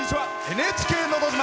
「ＮＨＫのど自慢」。